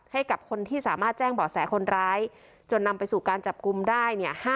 ให้กับคนที่สามารถแจ้งเบาะแสคนร้ายจนนำไปสู่การจับกลุ่มได้เนี่ย